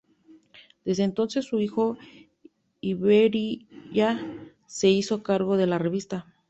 Desde entonces, su hijo İberya se hizo cargo de la revista.